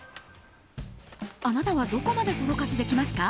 あなたはどこまでソロ活できますか？